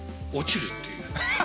落ちるっていう。